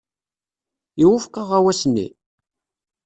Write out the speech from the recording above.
Iwufeq aɣawas-nni?